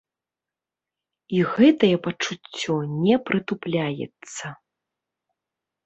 І гэтае пачуццё не прытупляецца.